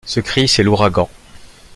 Ce cri, c’est l’ouragan.